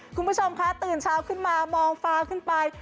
คุณผู้ชมคะตื่นเช้าขึ้นมามองฟ้าขึ้นไป